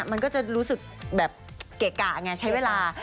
มันก็จะรู้สึกแบบเกะกะไงใช้เวลา